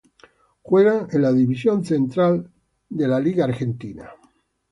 Juegan en la división central de la Liga Americana.